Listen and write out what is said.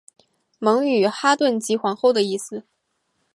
蒙语哈屯即皇后的意思。